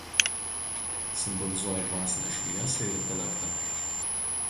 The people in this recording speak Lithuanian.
Simbolizuoja dvasinę šviesą ir intelektą.